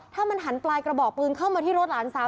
ถ้ามันหันปลายกระบอกปืนเข้ามาที่รถหลานสาว